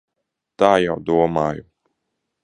Tā jau domāju.